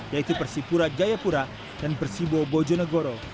yaitu persipura jayapura dan persibo bojonegoro